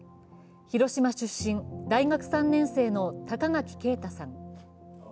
広島出身、大学３年生の高垣慶太さん。